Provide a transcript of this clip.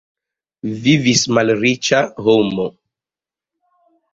Vivis malriĉa homo.